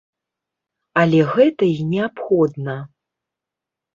Але гэта і неабходна.